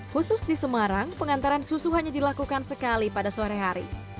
khusus di semarang pengantaran susu hanya dilakukan sekali pada sore hari